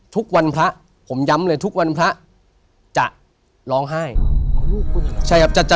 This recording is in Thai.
ทุกวันพระผมย้ำเลยทุกวันพระจะร้องไห้ใช่ครับจะ